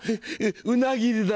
うなぎりだ！